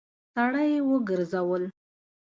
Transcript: سړی وګرځول.